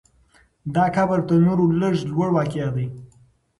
دا قبر تر نورو لږ لوړ واقع دی.